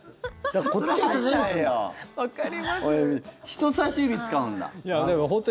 人さし指使うんだ。